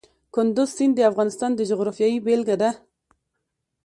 کندز سیند د افغانستان د جغرافیې بېلګه ده.